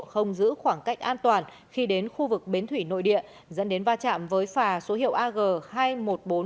không giữ khoảng cách an toàn khi đến khu vực bến thủy nội địa dẫn đến va chạm với phà số hiệu ag hai mươi một nghìn bốn trăm bảy mươi bảy gây ra vụ tai nạn